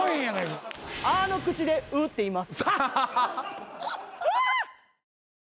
「あ」の口で「う」って言います。